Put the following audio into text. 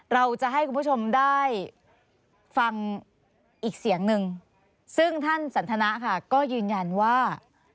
เราจะให้คุณผู้ชมได้ฟังอีกเสียงหนึ่งซึ่งท่านสันทนาค่ะก็ยืนยันว่า